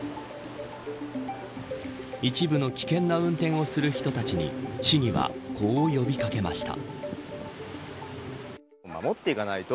一部の危険な運転をする人たちに市議はこう呼び掛けました。